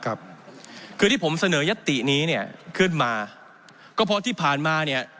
คือที่ผมเสนอยัตตินี้เนี่ยขึ้นมาก็เพราะที่ผ่านมาเนี่ย